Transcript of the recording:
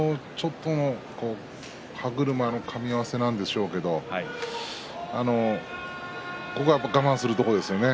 歯車のかみ合わせなんでしょうけれどもここは我慢するところですよね。